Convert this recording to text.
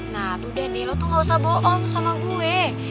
nah udah deh lo tuh ga usah bohong sama gue